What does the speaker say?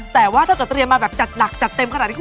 แต่ว่าถ้าเตรียมมาแบบหลักเต็มขนาดนี้